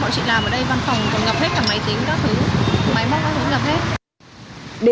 bọn chị làm ở đây văn phòng còn ngập hết cả máy tính máy móc cũng ngập hết